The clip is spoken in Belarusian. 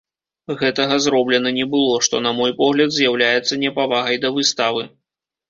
Гэтага зроблена не было, што, на мой погляд, з'яўляецца непавагай да выставы.